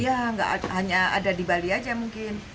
iya ada di bali aja mungkin